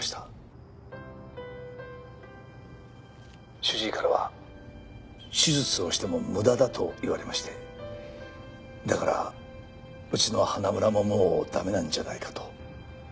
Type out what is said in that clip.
主治医からは手術をしても無駄だと言われましてだからうちの花村ももう駄目なんじゃないかと。